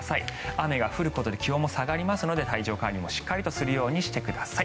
雨が降ることで気温も下がりますので体調管理もしっかりとするようにしてください。